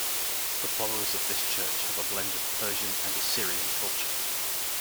The followers of this church have a blend of Persian and Assyrian culture.